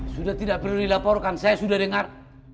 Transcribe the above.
sudah tidak perlu dilaporkan saya sudah dengar